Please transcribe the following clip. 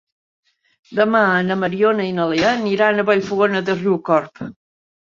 Demà na Mariona i na Lea aniran a Vallfogona de Riucorb.